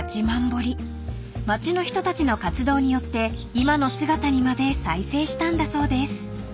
［町の人たちの活動によって今の姿にまで再生したんだそうです］